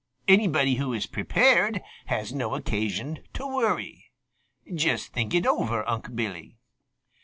Anybody who is prepared has no occasion to worry. Just think it over, Unc' Billy."